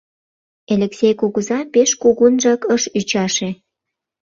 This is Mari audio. Элексей кугыза пеш кугунжак ыш ӱчаше.